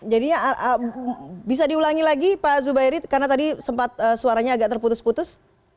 jadi bisa diulangi lagi pak zubairi karena tadi sempat suaranya agak terputus putus